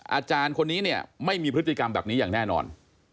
อาจารย์คนนี้เนี่ยไม่มีพฤติกรรมแบบนี้อย่างแน่นอน